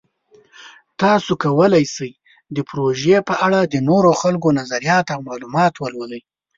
تاسو کولی شئ د پروژې په اړه د نورو خلکو نظریات او معلومات ولولئ.